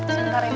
sebentar ya bang